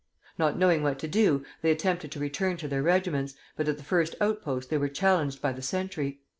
Not knowing what to do, they attempted to return to their regiments, but at the first outpost they were challenged by the sentry.